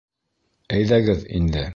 Әйҙәгеҙ инде.